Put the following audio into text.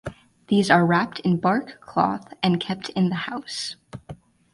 These are wrapped in bark-cloth and kept in the house.